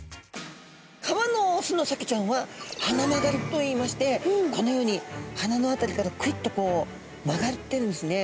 川のオスのサケちゃんは鼻曲がりといいましてこのように鼻の辺りからクイッとこう曲がってるんですね。